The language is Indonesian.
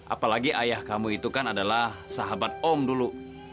apalagi ayah kamu itu kan adalah sahabat om dulu